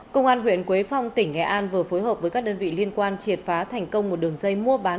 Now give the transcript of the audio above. công an huyện quế phong tỉnh nghệ an vừa phối hợp với các đơn vị liên quan triệt phá thành công một đường dây mua bán